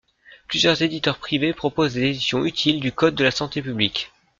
Plusieurs éditeurs privés proposent des éditions utiles du code de la santé publique.